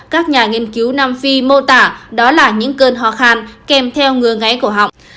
các nhà nghiên cứu nam phi mô tả đó là những cơn hoa khan kèm theo ngừa ngáy cổ họng